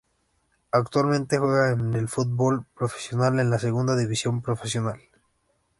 Actualmente juega en el fútbol profesional, en la Segunda División Profesional.